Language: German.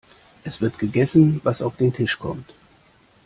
Es wird gegessen, was auf den Tisch kommt.